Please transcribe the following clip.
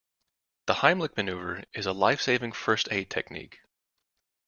The Heimlich manoeuvre is a lifesaving first aid technique.